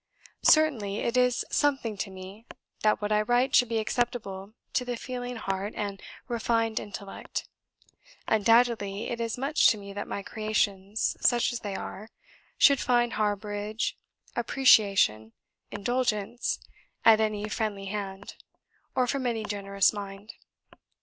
"Certainly it is 'something to me' that what I write should be acceptable to the feeling heart and refined intellect; undoubtedly it is much to me that my creations (such as they are) should find harbourage, appreciation, indulgence, at any friendly hand, or from any generous mind.